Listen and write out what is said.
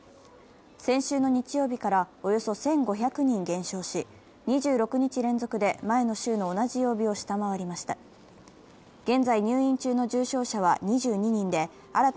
先週の日曜日からおよそ１５００人減少し、２６日連続で前の週の同じ曜日を下回りました。